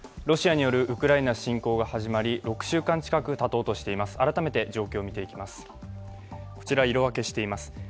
ロシアによるウクライナ侵攻が始まり６週間近くたとうとしています。